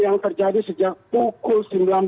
yang terjadi sejak pukul